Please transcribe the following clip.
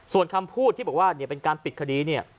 ส่วนคำพูดที่บอกว่าเป็นการปิดคดี